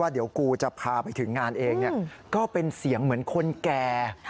เดี๋ยวกูจะพาไปถึงงานเองก็เป็นเสียงเหมือนคนแก่